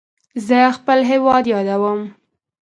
زه خپل هیواد یادوم.